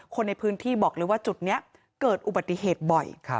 คนในพื้นที่บอกเลยว่าจุดนี้เกิดอุบัติเหตุบ่อย